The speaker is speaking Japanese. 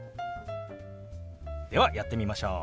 ではやってみましょう！